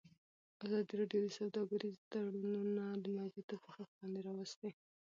ازادي راډیو د سوداګریز تړونونه موضوع تر پوښښ لاندې راوستې.